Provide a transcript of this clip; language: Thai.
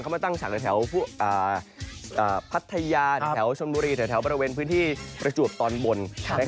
เขามาตั้งฉากในแถวพัทยาแถวชนบุรีแถวบริเวณพื้นที่ประจวบตอนบน